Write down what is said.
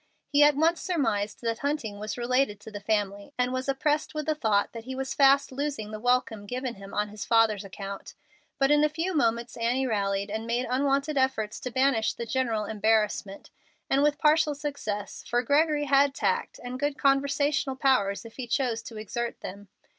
He at once surmised that Hunting was related to the family, and was oppressed with the thought that he was fast losing the welcome given him on his father's account. But in a few moments Annie rallied and made unwonted efforts to banish the general embarrassment, and with partial success, for Gregory had tact and good conversational powers if he chose to exert them.